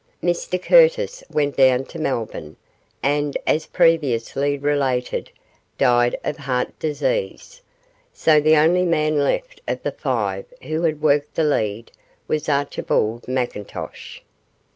Mr Curtis, went down to Melbourne, and, as previously related, died of heart disease, so the only man left of the five who had worked the lead was Archibald McIntosh.